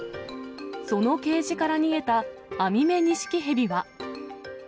そのケージから逃げたアミメニシキヘビは。